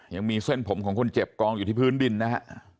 ยังมีเส้นผมของคนเจ็บกองอยู่ที่พื้นดินนะฮะ